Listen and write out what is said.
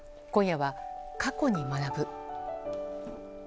今夜は、過去に学ぶ。